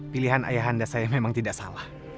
pilihan ayah anda saya memang tidak salah